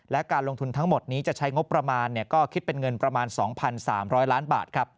และการลงทุนทั้งหมดนี้จะใช้งบประมาณก็คิดเป็นเงินประมาณ๒๓๐๐ล้านบาท